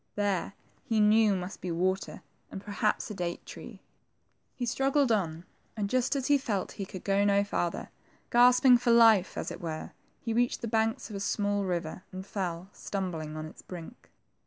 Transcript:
There, he knew, must be water, and perhaps a date tree. He struggled on, and just as he felt that he could go no farther, gasp ing for life, as it were, he reached the banks of a small river, and fell, stumbling, on its brink.